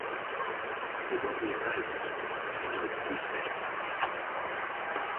According to the Bible, there were two sets.